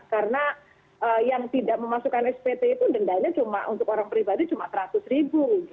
karena yang tidak memasukkan spt itu dendanya untuk orang pribadi cuma rp seratus ribu